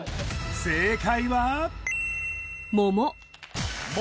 正解は桃！